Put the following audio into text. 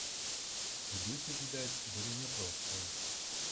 І людзі, відаць, былі няпростыя.